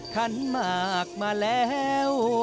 คันหมากมาแล้ว